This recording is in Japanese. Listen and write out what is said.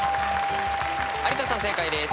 有田さん正解です。